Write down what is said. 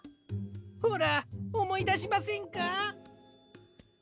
ほらおもいだしませんか？